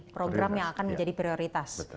program yang akan menjadi prioritas